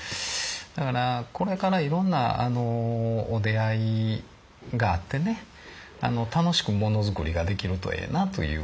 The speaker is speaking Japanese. だからこれからいろんなお出会いがあってね楽しくもの作りができるとええなという。